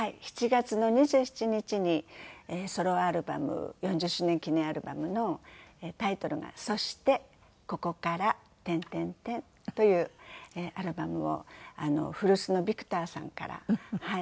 ７月２７日にソロアルバム４０周年記念アルバムのタイトルが『そして、ここから』というアルバムを古巣のビクターさんからリリースさせて頂きました。